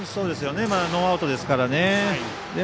ノーアウトですからね。